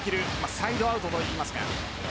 サイドアウトといいますか。